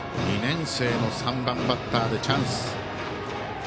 ２年生の３番バッターでチャンス。